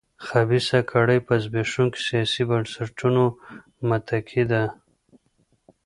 خبیثه کړۍ پر زبېښونکو سیاسي بنسټونو متکي ده.